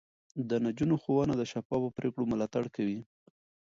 د نجونو ښوونه د شفافو پرېکړو ملاتړ کوي.